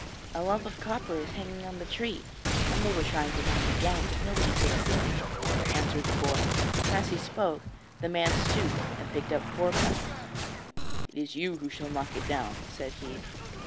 'A lump of copper is hanging on the tree and they were trying to knock it down, but nobody succeeded,' answered the boy; and as he spoke, the man stooped and picked up four pebbles. 'It is you who shall knock it down,' said he.